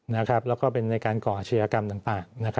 แล้วก็เป็นในการก่ออาชญากรรมต่าง